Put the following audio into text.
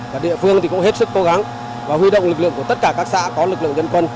và địa phương thì cũng hết sức cố gắng và huy động lực lượng của tất cả các xã có lực lượng dân quân